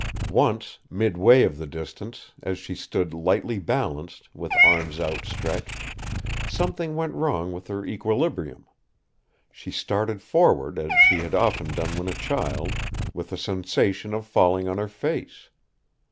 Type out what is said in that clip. Once, midway of the distance, as she stood lightly balanced, with arms outstretched, something went wrong with her equilibrium. She started forward as she had often done when a child, with the sensation of falling on her face.